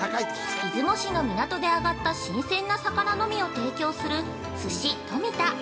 出雲市の港で揚がった新鮮な魚のみを提供する「鮨・とみ田」。